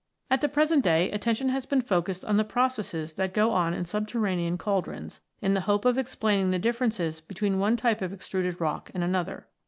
At the present day, attention has been focused on the processes that go on in subterranean cauldrons, in the hope of explaining the differences between one type of extruded rock and another.